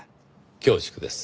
恐縮です。